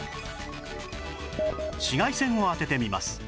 紫外線を当ててみます